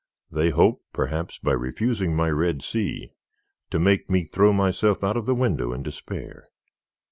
They hope, perhaps, by refusing my Red Sea, to make me throw myself out of the window in despair.